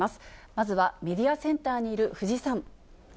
まずは、メディアセンターにいる藤井さん。